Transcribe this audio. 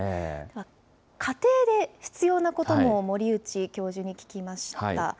家庭で必要なことも、森内教授に聞きました。